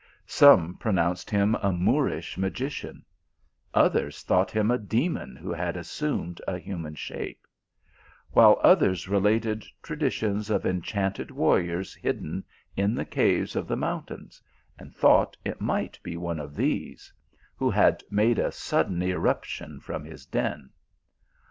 Some pronounced him a Moorish magician ; others thought him a demon who had assumed a human shape ; whi ft others re lated traditions of enchanted warriors hidden in the caves of the mountains, and thought it might be one of these, who had made a sudden irruption from his den.